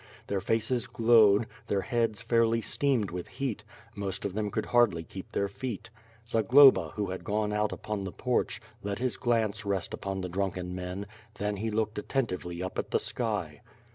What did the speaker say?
Their faces glowed; the heads fairly steamed with heat; most of them could hardly keep their feet. Zagloba, who had gone out upon tlio porch, let his glance rest upon the drunken men; then lie looked attentively up at the sky.